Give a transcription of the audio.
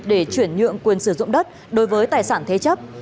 để chuyển nhượng quyền sử dụng đất đối với tài sản thế chấp